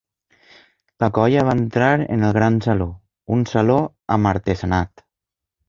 La colla va entrar en el gran saló, un saló amb artesanat